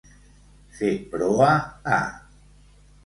Fer proa a.